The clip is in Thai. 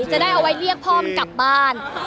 จะได้เอาไว้เรียกพ่อมันกลับบ้าน